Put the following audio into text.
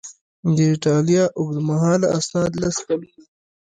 د ایټالیا اوږدمهاله اسناد لس کلونه